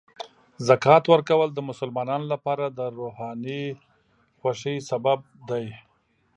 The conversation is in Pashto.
زکات ورکول د مسلمانانو لپاره د روحاني خوښۍ سبب دی.